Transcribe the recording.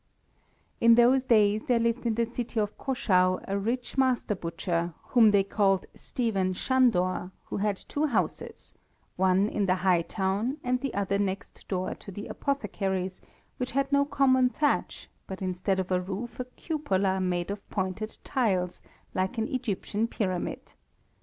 In those days there lived in the city of Caschau a rich master butcher, whom they called Stephen Sándor, who had two houses, one in the high town and the other next door to the apothecary's, which had no common thatch, but instead of a roof a cupola made of pointed tiles, like an Egyptian pyramid.